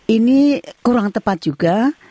ini kurang tepat juga